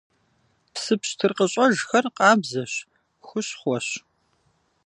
Псы пщтыр къыщӀэжхэр къабзэщ, хущхъуэщ.